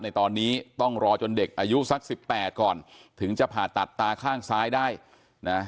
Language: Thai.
ในตอนนี้ต้องรอจนเด็กอายุสักสิบแปดก่อนถึงจะผ่าตัดตาข้างซ้ายได้นะ